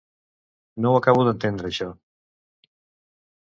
No ho acabo d'entendre això.